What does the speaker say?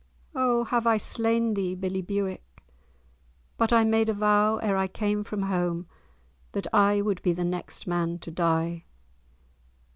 "O have I slain thee, billie Bewick? But I made a vow, ere I came from home, that I would be the next man to die!"